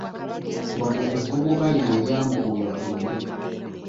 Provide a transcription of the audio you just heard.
Wano evvubuka lino we lyamukubira oluyi.